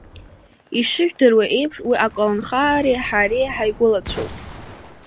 Ишыжәдыруа еиԥш, уи аколнхареи ҳареи ҳаигәылацәоуп.